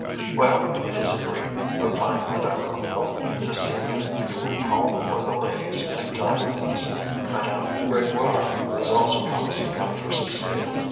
"Well! it is agreed," repeated Madame Hennebeau. "This evening you will call for the young ladies and dine with us. Madame Grégoire has also promised to come for Cécile."